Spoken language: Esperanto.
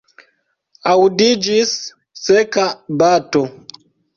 Aŭdiĝis seka bato.